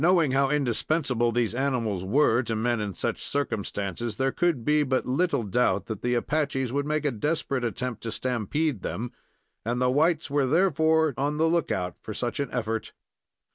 Knowing how indispensable these animals were to men in such circumstances, there could be but little doubt that the Apaches would make a desperate attempt to stampede them, and the whites were therefore on the look out for such an effort.